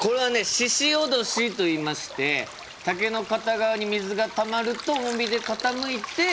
鹿おどしといいまして竹の片側に水がたまると重みで傾いて。